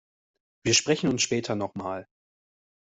Wir sprechen uns später noch mal.